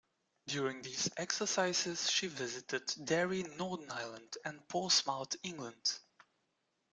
During these exercises, she visited Derry, Northern Ireland, and Portsmouth, England.